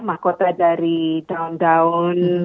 mahkota dari daun daun